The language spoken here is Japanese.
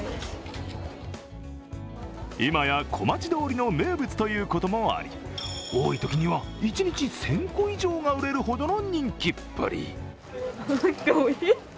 今や、小町通りの名物ということもあり多いときには一日１０００個以上が売れるほどの人気っぷり。